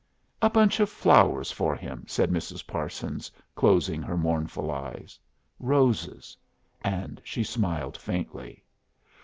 "A bunch of flowers for him," said Mrs. Parsons, closing her mournful eyes. "Roses." And she smiled faintly.